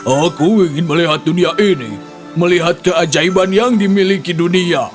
aku ingin melihat dunia ini melihat keajaiban yang dimiliki dunia